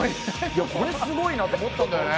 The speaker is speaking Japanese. これすごいなって思ったんだよね。